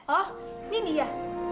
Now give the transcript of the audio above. oh ini dia